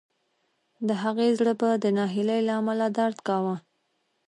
د هغې زړه به د ناهیلۍ له امله درد کاوه